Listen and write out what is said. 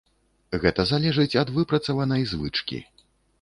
Гэта залежыць ад выпрацаванай звычкі.